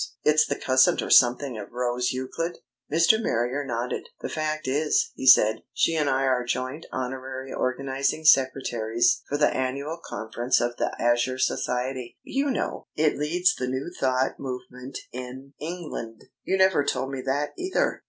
It's the cousin or something of Rose Euclid?" Mr. Marrier nodded. "The fact is," he said, "she and I are joint honorary organising secretaries for the annual conference of the Azure Society. You know, it leads the New Thought movement in England." "You never told me that either."